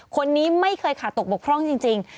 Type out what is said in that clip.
คนนี้ไม่เคยขาดตกบกพร่องจริง